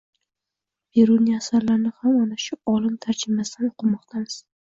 Beruniy asarlarini ham ana shu olim tarjimasida o`qimoqdamiz